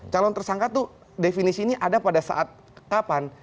calon tersangka tuh definisi ini ada pada saat kapan